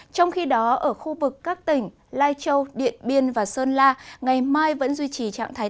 trong khi đó ở khu vực các tỉnh lai châu điện biên và sơn la ngày mai vẫn duy trì trạng thái